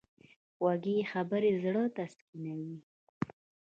خوږې خبرې زړه تسکینوي.